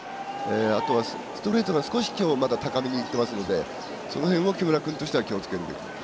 あとはストレートが少し今日、高めにいってますのでその辺を木村君としては気をつけるべき。